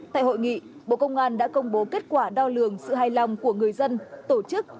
tại hội nghị bộ công an đã công bố kết quả đo lường sự hài lòng của người dân tổ chức